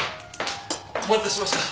お待たせしました。